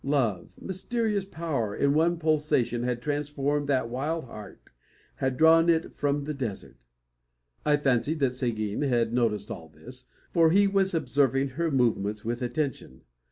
Love, mysterious power, in one pulsation had transformed that wild heart; had drawn it from the desert. I fancied that Seguin had noticed all this, for he was observing her movements with attention.